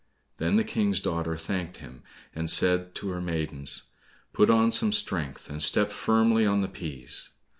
Then the King's daughter thanked him, and said to her maidens, "Put on some strength, and step firmly on the peas."